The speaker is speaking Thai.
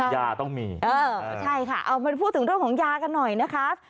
ยาต้องมีเออใช่ค่ะเอามาพูดถึงเรื่องของยากันหน่อยนะคะ